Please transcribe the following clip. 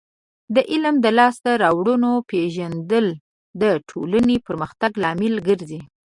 د علم د لاسته راوړنو پیژندل د ټولنې پرمختګ لامل ګرځي.